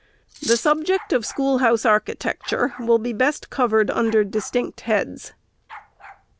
The subject of schoolhouse architecture will be best considered under distinct heads.